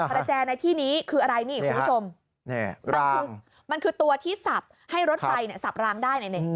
ประแจในที่นี้คืออะไรนี่คุณผู้ชมมันคือมันคือตัวที่สับให้รถไฟสับรางได้